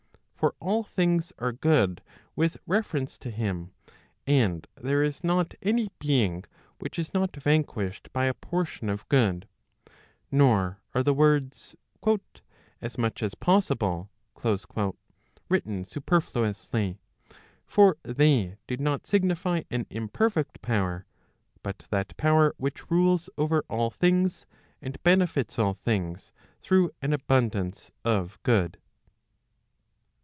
For all things are good with reference to him, and there is not any being which is not vanquished by a portion of good. Nor are the words, " as much as possible ," written superfluously. For they do not signify an: imperfect power, but that power which rules over all things, and benefits all things through an abundance of good."